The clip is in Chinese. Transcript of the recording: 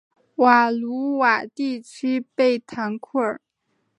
瓦卢瓦地区贝唐库尔。